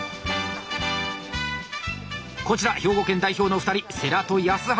こちら兵庫県代表の２人世良と安原。